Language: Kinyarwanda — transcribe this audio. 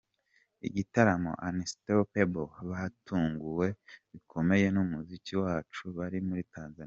igitaramo ‘Unstoppable’ batunguwe bikomeye n’umuziki wacu…Bari muri Tanzania